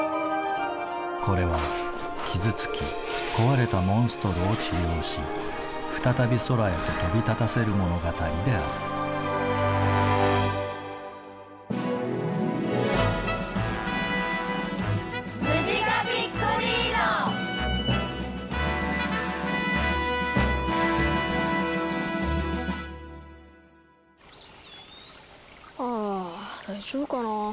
これは傷つき壊れたモンストロを治療し再び空へと飛び立たせる物語であるああ大丈夫かなぁ。